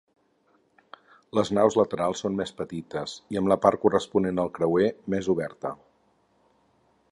Les naus laterals són més petites i amb la part corresponent al creuer més oberta.